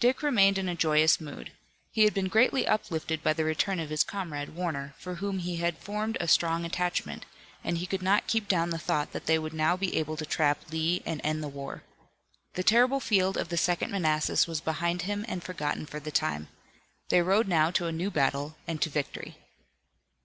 Dick remained in a joyous mood. He had been greatly uplifted by the return of his comrade, Warner, for whom he had formed a strong attachment, and he could not keep down the thought that they would now be able to trap Lee and end the war. The terrible field of the Second Manassas was behind him and forgotten for the time. They rode now to a new battle and to victory.